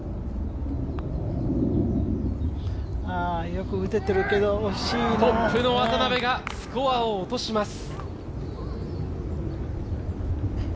よく打ててるけど惜しいなトップの渡邉がスコアを落とします。